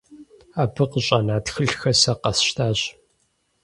Абы къыщӀэна тхылъхэр сэ къэсщтащ.